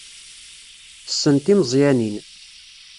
Tessen timeẓyanin.